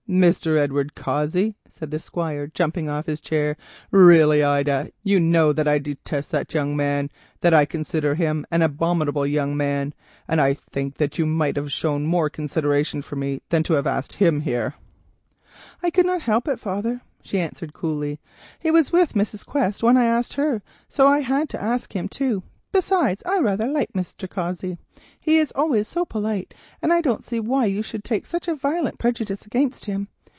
"Mr. Edward Cossey," said the Squire, jumping off his chair; "really, Ida, you know I detest that young man, that I consider him an abominable young man; and I think you might have shown more consideration to me than to have asked him here." "I could not help it, father," she answered coolly. "He was with Mrs. Quest when I asked her, so I had to ask him too. Besides, I rather like Mr. Cossey, he is always so polite, and I don't see why you should take such a violent prejudice against him.